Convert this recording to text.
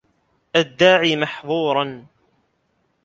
الدَّاعِي مَحْظُورًا